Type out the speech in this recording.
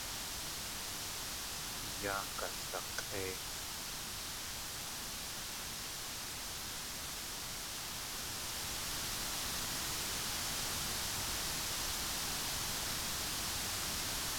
I yáa galak̲ʼéi!